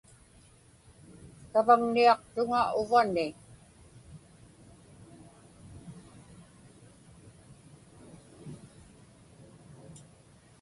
Savaŋniaqtuŋa uvani.